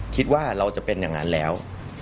คิดว่าเราจะเป็นอย่างนั้นแล้ว